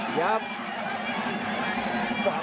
พยายาม